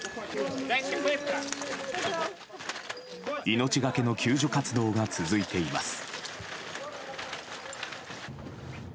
命がけの救助活動が続いています。